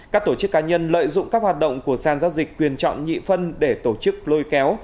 các tổ chức cá nhân lợi dụng các hoạt động của sàn giao dịch quyền chọn nhị phân để tổ chức lôi kéo